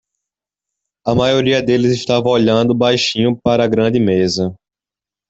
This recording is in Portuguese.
A maioria deles estava olhando baixinho para a grande mesa.